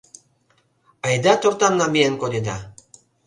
— Айда тортам намиен кодена.